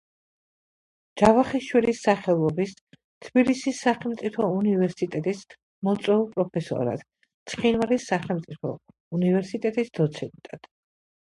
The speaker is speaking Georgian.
ჯავახიშვილის სახელობის თბილისის სახელმწიფო უნივერსიტეტის მოწვეულ პროფესორად, ცხინვალის სახელმწიფო უნივერსიტეტის დოცენტად.